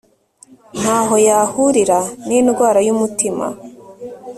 ntaho yahurira n'indwara y'umutima